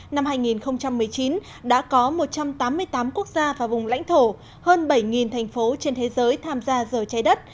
năm hai nghìn một mươi chín đã có một trăm tám mươi tám quốc gia và vùng lãnh thổ hơn bảy thành phố trên thế giới tham gia giờ trái đất